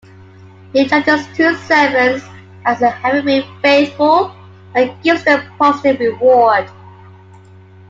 He judges two servants as having been "faithful" and gives them a positive reward.